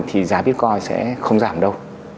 thì giá bitcoin sẽ không giảm đâu